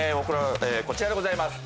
こちらでございます